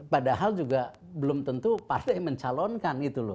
padahal juga belum tentu partai mencalonkan gitu loh